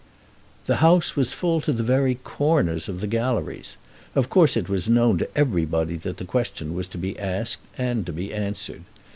The House was full to the very corners of the galleries. Of course it was known to everybody that the question was to be asked and to be answered.